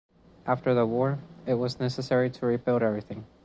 After the war, it was necessary to rebuild everything.